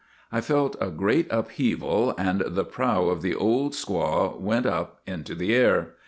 ' I felt a great upheaval, and the prow of the Old Squaw went up into the air.